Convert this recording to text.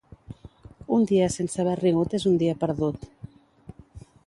Un dia sense haver rigut és un dia perdut.